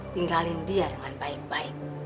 tinggalin dia dengan baik baik